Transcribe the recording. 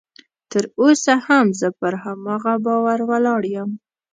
تر اوسه هم زه پر هماغه باور ولاړ یم